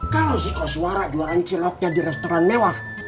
kalau sih kau suara jualan ciloknya di restoran mewah